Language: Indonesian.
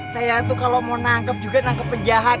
saya tuh kalau mau nangkep juga nangkep penjahat